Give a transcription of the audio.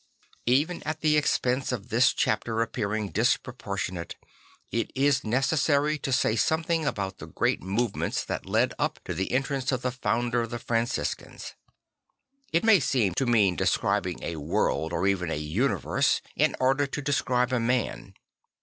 Even at the expense of this chapter appearing disproportionate, it is necessary to say something about the great movements that led up to the entrance of the founder of the Francis cans. I t may seem to mean describing a world, or even a universe, in order to describe a man.